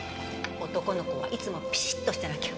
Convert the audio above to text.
男の子はいつもピシッとしてなきゃ。